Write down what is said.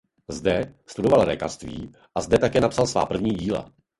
Zde studoval lékařství a zde také napsal svá první díla.